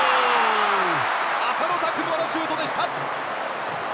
浅野拓磨のシュートでした！